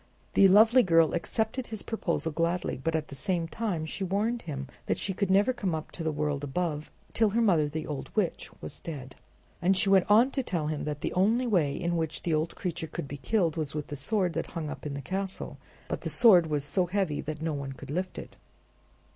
The lovely girl accepted his proposal gladly; but at the same time she warned him that she could never come up to the world above till her mother, the old witch, was dead. And she went on to tell him that the only way in which the old creature could be killed was with the sword that hung up in the castle; but the sword was so heavy that no one could lift it.